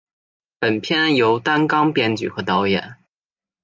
本片由担纲编剧和导演。